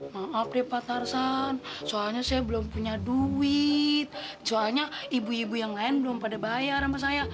maaf deh pak tarsan soalnya saya belum punya duit soalnya ibu ibu yang lain belum pada bayar sama saya